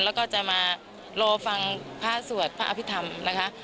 แล้วก็จะมารอฟังพระสวดพระอภิษฐรรมนะคะ